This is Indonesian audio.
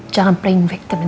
jangan menjadi panggilan